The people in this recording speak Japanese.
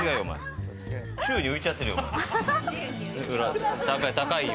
宙に浮いちゃってるよ。